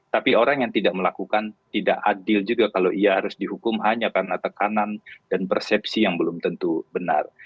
tapi orang yang tidak melakukan tidak adil juga kalau ia harus dihukum hanya karena tekanan dan persepsi yang belum tentu benar